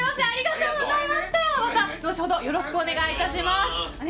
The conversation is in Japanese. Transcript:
後ほどよろしくお願いいたします。